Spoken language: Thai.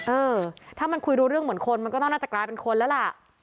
เออถ้ามันคุยรู้เรื่องเหมือนคนมันก็ต้องน่าจะกลายเป็นคนแล้วล่ะ